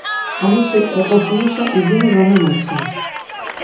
Amuşi oqopumuşa izini va memaçen.